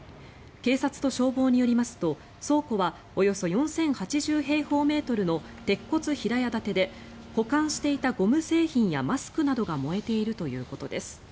警察と消防によりますと倉庫はおよそ４０８０平方メートルの鉄骨平屋建てで保管していたゴム製品やマスクなどが燃えているということです。